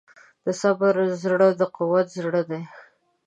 د صبر زړه د قوت زړه دی.